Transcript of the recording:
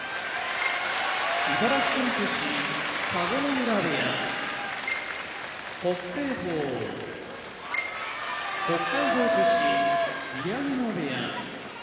茨城県出身田子ノ浦部屋北青鵬北海道出身宮城野部屋